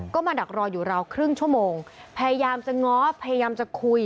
ก็มาดักรออยู่ราวครึ่งชั่วโมงพยายามจะง้อพยายามจะคุย